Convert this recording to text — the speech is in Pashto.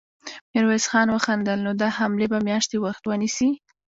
ميرويس خان وخندل: نو دا حملې به مياشتې وخت ونيسي.